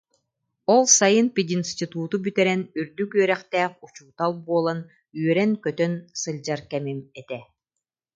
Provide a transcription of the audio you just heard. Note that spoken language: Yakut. Ол сайын пединституту бүтэрэн, үрдүк үөрэхтээх учуутал буолан, үөрэн-көтөн сылдьар кэмим этэ